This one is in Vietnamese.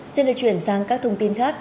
xin được chuyển sang các thông tin khác